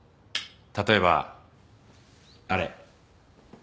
例えばあれ。